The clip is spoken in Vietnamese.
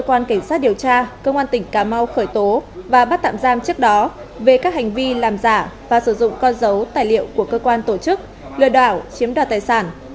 cơ quan cảnh sát điều tra công an tỉnh cà mau khởi tố và bắt tạm giam trước đó về các hành vi làm giả và sử dụng con dấu tài liệu của cơ quan tổ chức lừa đảo chiếm đoạt tài sản